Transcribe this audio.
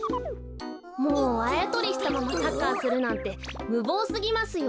あやとりしたままサッカーするなんてむぼうすぎますよ。